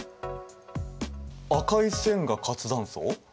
赤い線が活断層？